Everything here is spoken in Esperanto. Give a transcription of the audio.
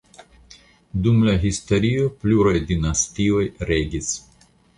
Dum la historio pluraj dinastioj regis.